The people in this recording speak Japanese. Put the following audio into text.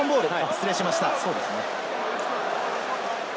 失礼しました。